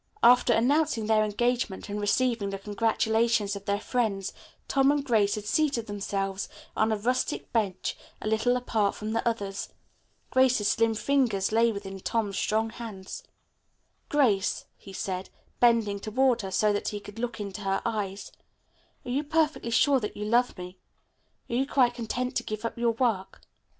After announcing their engagement and receiving the congratulations of their friends, Tom and Grace had seated themselves on a rustic bench a little apart from the others. Grace's slim fingers lay within Tom's strong hand. "Grace," he said, bending toward her so that he could look into her eyes, "are you perfectly sure that you love me? Are you quite content to give up your work?